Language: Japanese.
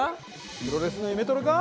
プロレスのイメトレか？